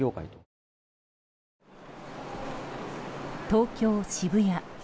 東京・渋谷。